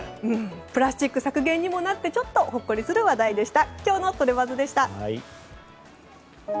プラスチック削減にもなってちょっとほっこりする話題でした。